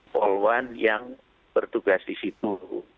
polwan yang bertugas disitu